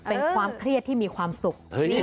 เป็นความเครียดที่มีความสุข